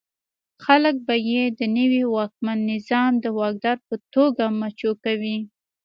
خلک به یې د نوي واکمن نظام د واکدار په توګه مچو کوي.